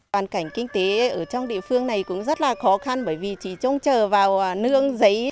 toàn cảnh kinh tế ở trong địa phương này cũng rất là khó khăn bởi vì chỉ trông chờ vào nương giấy